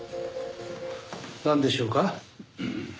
なんでしょうか？